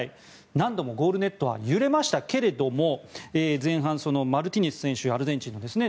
何度もゴールネットは揺れましたが前半、マルティネス選手アルゼンチンですね。